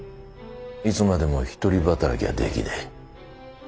いつまでも一人働きはできねえ。